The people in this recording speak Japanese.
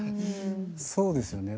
そうですよね。